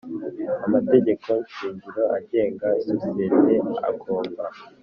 Amategeko shingiro agenga isosiyete agomba